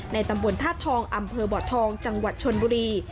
ตำบลธาตุทองอำเภอบ่อทองจังหวัดชนบุรี